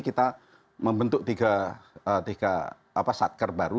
kita membentuk tiga satker baru